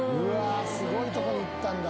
すごいとこに行ったんだ。